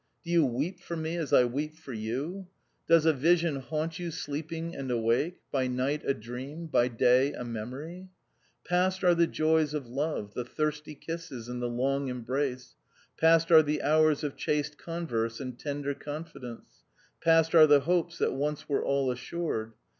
Do you weep for me as I weep for you ? Does a vision haunt you sleeping and awake — by night a dream, by day a memory ?" "Past are the joys of love, the thirsty kisses, and the long embrace ; past are the hours of chaste converse and tender confi dence ; past are the hopes that once were all assured.